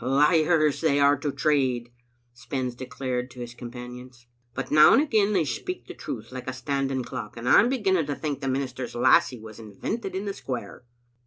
" Liars they are to trade," Spens declared to his com panions, '* but now and again they speak truth, like a standing clock, and I*m beginning to think the minis ter's lassie was invented in the square."